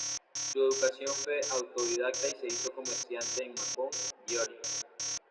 Su educación fue autodidacta y se hizo comerciante en Macon, Georgia.